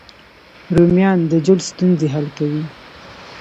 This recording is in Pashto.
رومیان د جلد ستونزې حل کوي